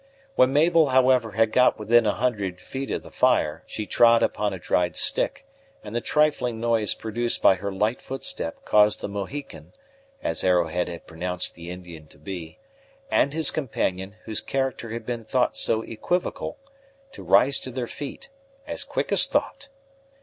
When Mabel, however, had got within a hundred feet of the fire, she trod upon a dried stick, and the trifling noise produced by her light footstep caused the Mohican, as Arrowhead had pronounced the Indian to be, and his companion, whose character had been thought so equivocal, to rise to their feet, as quick as thought.